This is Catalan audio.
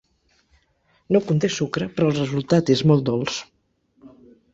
No conté sucre però el resultat és molt dolç.